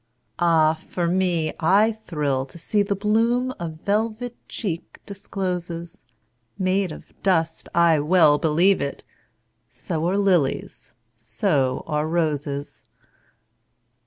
Ah, for me, I thrill to seeThe bloom a velvet cheek discloses, Made of dust—I well believe it! So are lilies, so are roses!